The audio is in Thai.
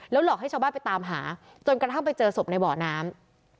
หลอกให้ชาวบ้านไปตามหาจนกระทั่งไปเจอศพในเบาะน้ำ